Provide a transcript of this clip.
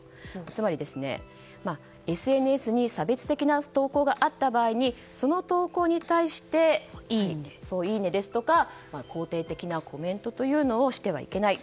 つまりＳＮＳに差別的な投稿があった場合その投稿に対していいねですとか肯定的なコメントというのをしてはいけない。